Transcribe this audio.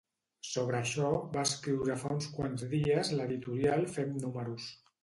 Sobre això, va escriure fa uns quants dies l’editorial Fem números.